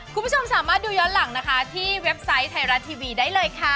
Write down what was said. คุณผู้ชมสามารถดูย้อนหลังนะคะที่เว็บไซต์ไทยรัฐทีวีได้เลยค่ะ